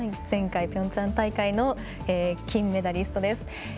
前回ピョンチャン大会の金メダリストです。